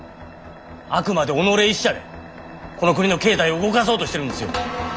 あくまで己一社でこの国の経済を動かそうとしてるんですよ。